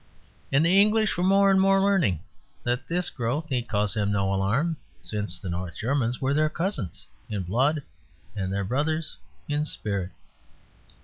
And the English were more and more learning that this growth need cause them no alarm, since the North Germans were their cousins in blood and their brothers in spirit.